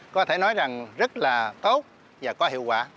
có thể nói rằng rất là tốt và có hiệu quả